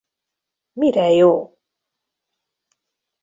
Mire jó?